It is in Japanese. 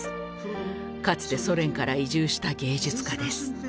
かつてソ連から移住した芸術家です。